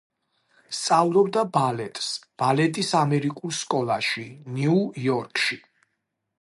სწავლობდა ბალეტს, ბალეტის ამერიკულ სკოლაში, ნიუ-იორკში.